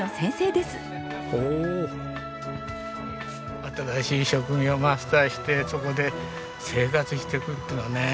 新しい職業をマスターしてそこで生活していくっていうのはね。